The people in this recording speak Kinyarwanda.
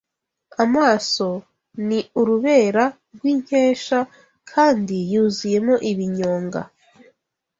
Amaso ni urubera rw’inkesha Kandi yuzuyemo ibinyonga